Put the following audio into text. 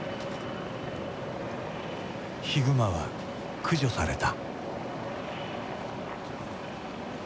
ヒグマは駆除された。